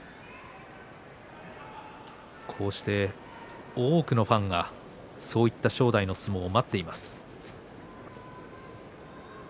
こうして多くのファンがそういった正代の相撲を待っています。